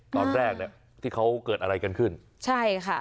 ตอนแรกเนี่ยที่เขาเกิดอะไรกันขึ้นใช่ค่ะ